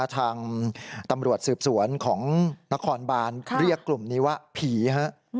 ทางตำรวจสืบสวนของนครบานเรียกกลุ่มนี้ว่าผีฮะ